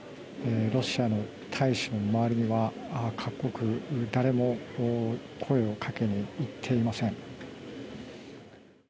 ロシアの大使の周りには各国、誰も声をかけに行っていません。